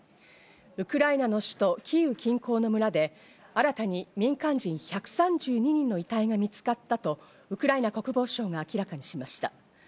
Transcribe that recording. ウクライナの首都キーウ近郊の村で新たに民間人１３２人の遺体が見つかったとウクライナ国防省が明らかにしました。